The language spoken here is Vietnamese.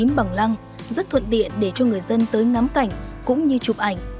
tím bằng lăng rất thuận tiện để cho người dân tới ngắm cảnh cũng như chụp ảnh